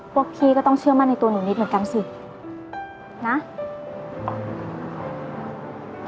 พวกพี่ก็ต้องเชื่อมั่นในตัวหนูนิดเหมือนกันสินะ